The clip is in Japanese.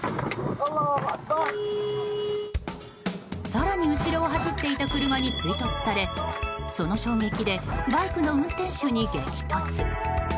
更に後ろを走っていた車に追突されその衝撃でバイクの運転手に激突。